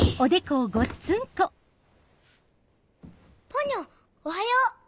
ポニョおはよう！